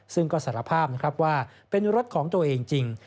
ซึ่งก็สารภาพนะครับว่าเป็นรถของตัวเองจริง